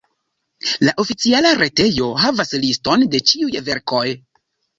La oficiala retejo havas liston de ĉiuj verkoj.